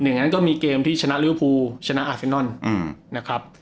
หนึ่งอันนั้นก็มีเกมที่ชนะเรื้อภูชนะอาร์เซนนอนอืมนะครับ